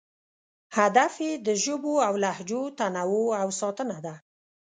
هدف یې د ژبو او لهجو تنوع او ساتنه ده.